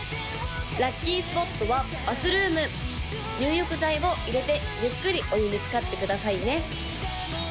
・ラッキースポットはバスルーム入浴剤を入れてゆっくりお湯につかってくださいね